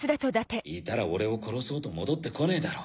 いたら俺を殺そうと戻ってこねえだろ。